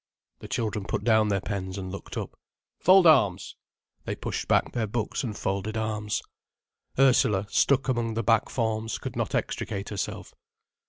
The children put down their pens and looked up. "Fold arms." They pushed back their books and folded arms. Ursula, stuck among the back forms, could not extricate herself.